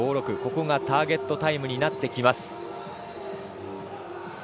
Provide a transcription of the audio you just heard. ここがターゲットタイムになってきます。